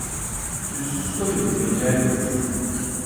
Sütsüz koyun meleğen olur.